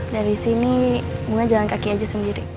dari sini saya hanya berjalan kaki sendiri